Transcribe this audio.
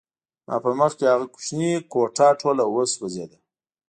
زما په مخکې هغه کوچنۍ کوټه ټوله وسوځېده